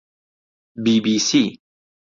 بی بی سی